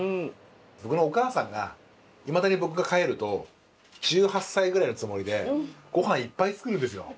僕のお母さんがいまだに僕が帰ると１８歳ぐらいのつもりでごはんいっぱい作るんですよ。